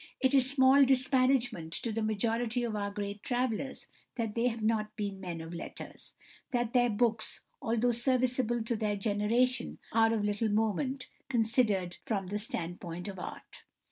It is small disparagement to the majority of our great travellers that they have not been men of letters, that their books, although serviceable to their generation, are of little moment considered from the standpoint of art.